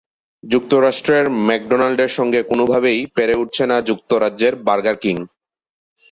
যুক্তরাষ্ট্রের ম্যাকডোনাল্ডের সঙ্গে কোনোভাবেই পেরে উঠছে না যুক্তরাজ্যের বার্গার কিং।